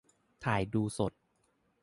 - ถ่ายดูสด